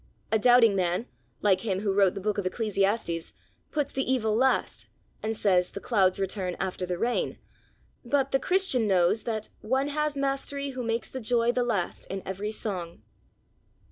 A doubting man, like him who wrote the book of Ecclesiastes, puts the evil last, and says 'the clouds return after the rain;' but the Christian knows that One has mastery Who makes the joy the last in every song."